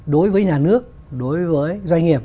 đối với nhà nước đối với doanh nghiệp